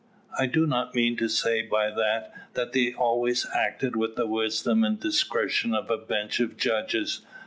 I do not mean to say by that, that they always acted with the wisdom and discretion of a bench of judges.